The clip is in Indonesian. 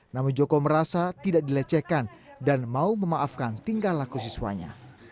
namun joko merasa tidak dilecehkan dan mau memaafkan tinggal laku siswanya